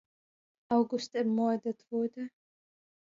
August ermordet wurde.